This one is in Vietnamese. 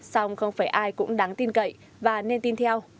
xong không phải ai cũng đáng tin cậy và nên tin theo